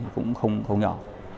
cũng không nhỏ